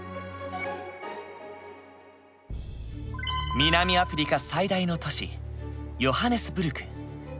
南アフリカ最大の都市ヨハネスブルク。